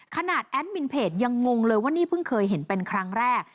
แอดมินเพจยังงงเลยว่านี่เพิ่งเคยเห็นเป็นครั้งแรก